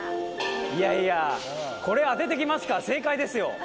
これ当ててきますか、正解ですよ。